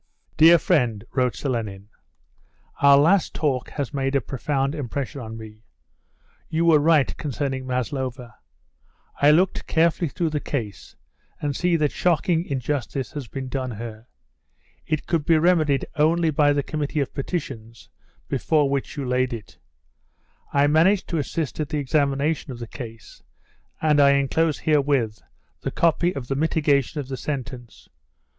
"Dear friend," wrote Selenin, "our last talk has made a profound impression on me. You were right concerning Maslova. I looked carefully through the case, and see that shocking injustice has been done her. It could be remedied only by the Committee of Petitions before which you laid it. I managed to assist at the examination of the case, and I enclose herewith the copy of the mitigation of the sentence.